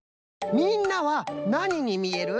みんなはなににみえる？